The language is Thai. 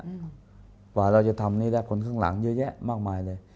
กว่าเราจะทำนี้ได้คนข้างหลังเยอะแยะมากมายเลย